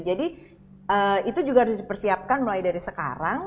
jadi itu juga harus dipersiapkan mulai dari sekarang